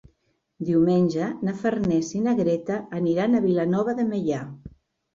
Diumenge na Farners i na Greta aniran a Vilanova de Meià.